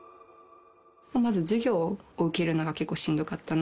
まず授業を受けるのが結構しんどかったな。